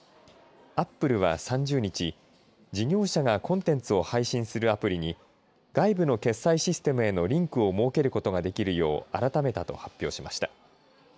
アップルは、３０日事業者がコンテンツを配信するアプリに外部の決済システムへのリンクを設けることができるよう改めたと発表しました。